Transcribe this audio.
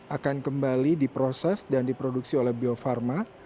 akan kembali diproses dan diproduksi oleh bio farma